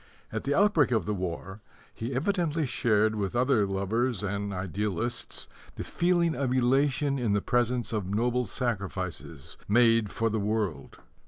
At the outbreak of the war he evidently shared with other lovers and idealists the feeling of elation in the presence of noble sacrifices made for the world.